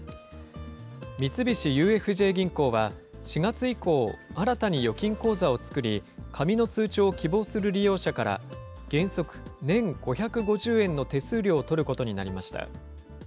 三菱ＵＦＪ銀行は、４月以降、新たに預金口座を作り、紙の通帳を希望する利用者から原則、年５５０円の手数料を取ることになりました。